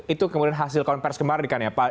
itu kemudian hasil konversi kemarin kan ya pak